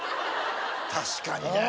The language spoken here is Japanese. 確かにね